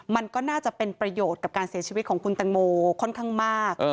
มันก็น่าจะเป็นประโยชน์กับการเสียชีวิตของคุณตังโมค่อนข้างมาก